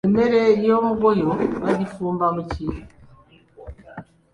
Emmere ey’omugoyo bagifumba mu ki ?